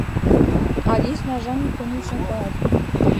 Alice n'a jamais connu son père.